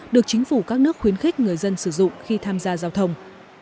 được chính phủ các nước khuyến khích người dân sử dụng khi tham gia giao thông